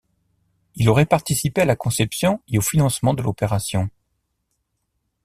Il aurait participé à la conception et au financement de l'opération.